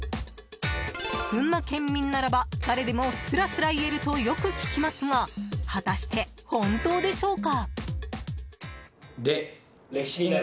群馬県民ならば誰でもすらすら言えるとよく聞きますが果たして本当でしょうか？